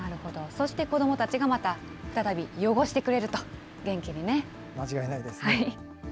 そして子どもたちがまた再び汚してくれると、元気にね。間違いないですね。